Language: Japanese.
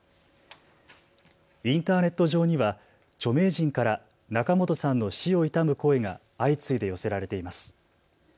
インターネット上には著名人から仲本さんの死を悼む声が相次いで寄せられています。